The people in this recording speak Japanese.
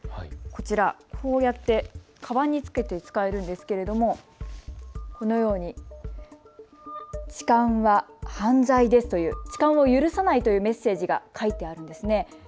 こちら、こうやってかばんにつけて使えるんですけどこのように痴漢は犯罪ですという痴漢を許さないというメッセージが書いてあるんですね。